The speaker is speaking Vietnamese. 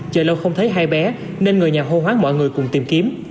chờ lâu không thấy hai bé nên người nhà hô hoáng mọi người cùng tìm kiếm